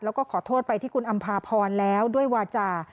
แล้วก็ขอโทษไปที่คุณอำภาพรแล้วด้วยวาจา